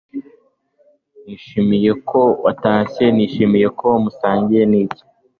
ati nishimiye ko watashye. nishimiye ko musangiye niki